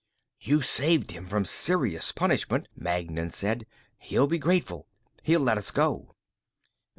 "You saved him from serious punishment," Magnan said. "He'll be grateful; he'll let us go."